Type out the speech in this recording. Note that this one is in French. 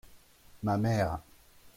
ma mère.